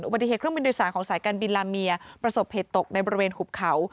ปฏิเครื่องบินโดยสารของสายการบินลาเมียประสบเหตุตกในบริเวณหุบเขา